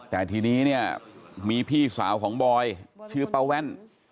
แต่ทีนี้เนี่ยมีพี่สาวของบอยชื่อป้าแว่น